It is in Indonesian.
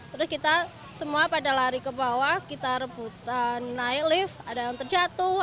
terus kita semua pada lari ke bawah kita rebutan naik lift ada yang terjatuh